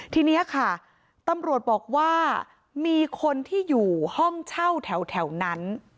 ทีนี้ค่ะตำรวจบอกว่ามีคนที่อยู่ห้องเช่าแถวนั้น